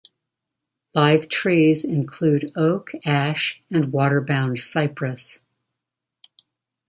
Live trees include oak, ash, and water-bound cypress.